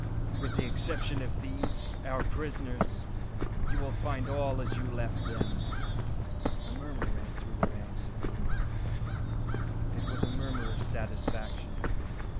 With the exception of these, our prisoners, you will find all as you left them." A murmur ran through the ranks of the Indians. It was a murmur of satisfaction.